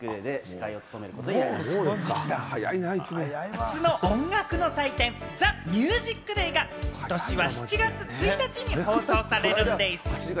夏の音楽の祭典『ＴＨＥＭＵＳＩＣＤＡＹ』が、今年は７月１日に放送されるんでぃす！